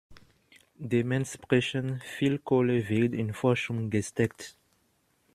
Dementsprechend viel Kohle wird in Forschung gesteckt.